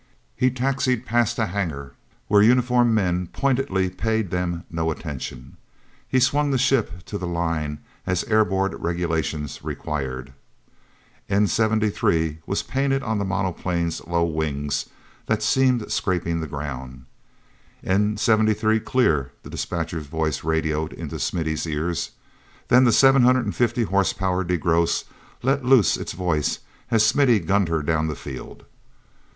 He taxied past a hangar where uniformed men pointedly paid them no attention. He swung the ship to the line as Airboard regulations required. "N 73" was painted on the monoplane's low wings that seemed scraping the ground. "N 73 Clear!" the despatcher's voice radioed into Smithy's ears. Then the seven hundred and fifty horsepower DeGrosse let loose its voice as Smithy gunned her down the field.